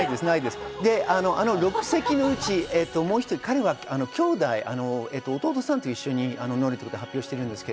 ６席のうち、彼はきょうだい、弟さんと一緒に乗ると発表しています。